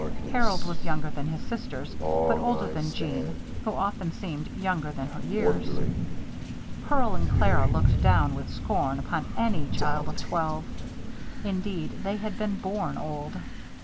Harold was younger than his sisters but older than Jeanne, who often seemed younger than her years. Pearl and Clara looked down, with scorn, upon any child of twelve. Indeed, they had been born old.